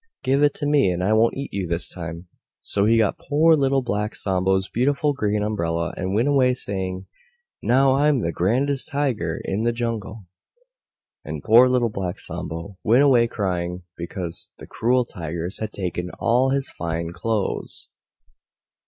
"Give it to me, and I won't eat you this time." So he got poor Little Black Sambo's beautiful Green Umbrella, and went away saying, "Now I'm the grandest Tiger in the Jungle." And poor Little Black Sambo went away crying, because the cruel Tigers had taken all his fine clothes.